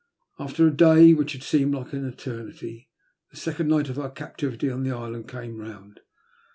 After a day which had seemed an eternity, the second night of our captivity on the island came round.